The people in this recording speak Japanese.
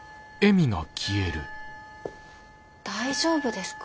大丈夫ですか？